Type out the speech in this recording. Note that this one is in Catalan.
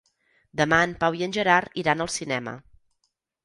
Demà en Pau i en Gerard iran al cinema.